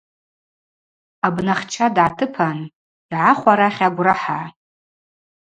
Абнахча дгӏатыпан: Йгӏахв арахь агврахӏа.